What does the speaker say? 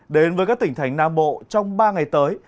đến với các tỉnh thành nam bộ trong ba ngày tới